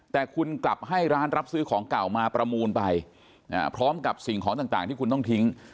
แต่คุณกลับให้ร้านรับซื้อของเก่ามาประมูลไปพร้อมกับสิ่งของต่างที่คุณต้องทิ้ง